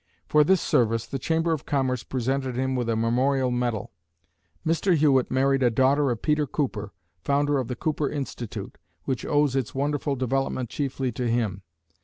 For this service, the Chamber of Commerce presented him with a memorial medal. Mr. Hewitt married a daughter of Peter Cooper, founder of the Cooper Institute, which owes its wonderful development chiefly to him.